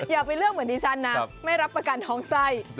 อย่าไปเลือกเหมือนดิฉันนะไม่รับประกันท้องไส้